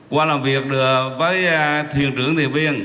qua làm việc với thuyền trưởng thị viên